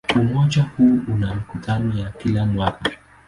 Umoja huu una mikutano ya kila mwaka.